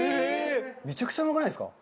めちゃくちゃうまくないですか？